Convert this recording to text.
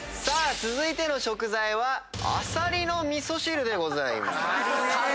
さあ続いての食材はアサリの味噌汁でございます。